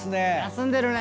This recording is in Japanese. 休んでるね。